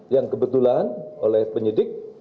yang kebetulan oleh penyidik